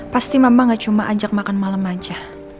pasti mama gak cuma ajak makan malam aja